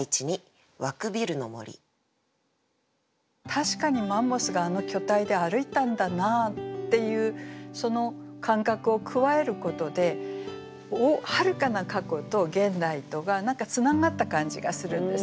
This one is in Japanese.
確かにマンモスがあの巨体で歩いたんだなっていうその感覚を加えることではるかな過去と現代とが何かつながった感じがするんですね。